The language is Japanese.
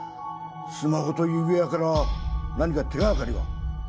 スマホと指輪から何か手掛かりは？